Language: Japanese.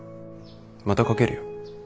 またかけるよ。